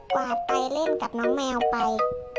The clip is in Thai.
วาดไปเล่นกับน้องแมวไป